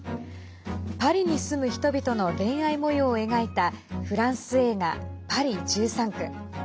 パリに住む人々の恋愛もようを描いたフランス映画「パリ１３区」。